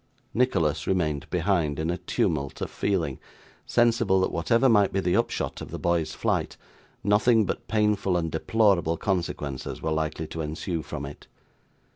Nicholas remained behind, in a tumult of feeling, sensible that whatever might be the upshot of the boy's flight, nothing but painful and deplorable consequences were likely to ensue from it.